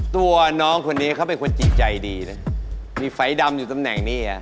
ตัวน้องคนนี้เขาเป็นคนจิตใจดีนะมีไฟดำอยู่ตำแหน่งนี้อ่ะ